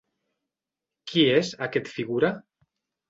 Qui és, aquest figura?